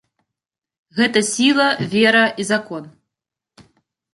Гэта сіла, вера і закон.